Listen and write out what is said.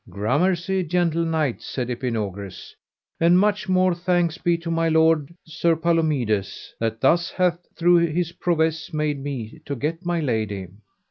Gramercy, gentle knight, said Epinogris; and much more thanks be to my lord Sir Palomides, that thus hath through his prowess made me to get my lady.